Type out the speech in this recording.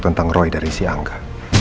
tentang roy dari si angka